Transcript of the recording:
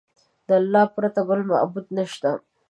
د الله پرته بل معبود نشته.